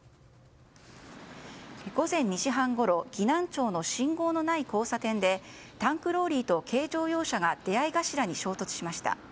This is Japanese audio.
午前２時半ごろ岐南町の信号のない交差点でタンクローリーと軽乗用車が出会い頭に衝突しました。